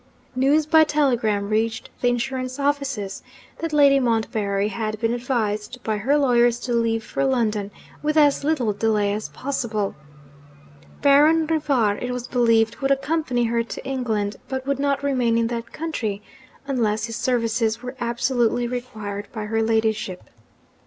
News by telegram reached the insurance offices that Lady Montbarry had been advised by her lawyers to leave for London with as little delay as possible. Baron Rivar, it was believed, would accompany her to England, but would not remain in that country, unless his services were absolutely required by her ladyship.